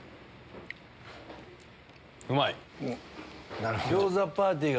うまい！